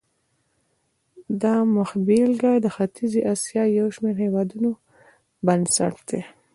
دا مخبېلګه د ختیځې اسیا یو شمېر هېوادونو بنسټ دی.